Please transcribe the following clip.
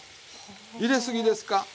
入れすぎですか？